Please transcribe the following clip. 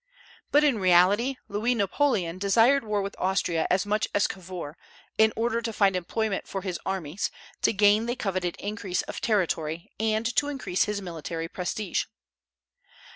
But in reality Louis Napoleon desired war with Austria as much as Cavour, in order to find employment for his armies, to gain the coveted increase of territory, and to increase his military prestige.